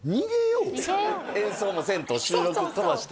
演奏もせんと収録飛ばして？